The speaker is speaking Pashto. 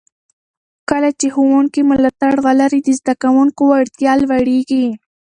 کله چې ښوونکي ملاتړ ولري، د زده کوونکو وړتیا لوړېږي.